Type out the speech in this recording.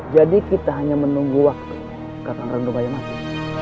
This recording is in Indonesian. jadi kita hanya menunggu waktu kakang ranubaya mati